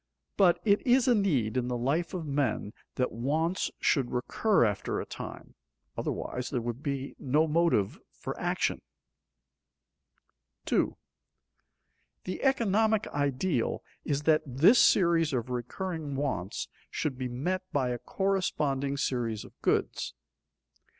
But it is a need in the life of men that wants should recur after a time, otherwise there would be no motive for action. [Sidenote: Series of wants and series of goods] 2. _The economic ideal is that this series of recurring wants should be met by a corresponding series of goods.